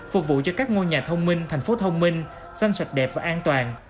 phục vụ cho các ngôi nhà thông minh thành phố thông minh xanh sạch đẹp và an toàn